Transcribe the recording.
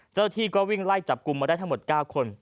เจ้าหน้าที่ก็วิ่งไล่จับกลุ่มมาได้ทั้งหมด๙คน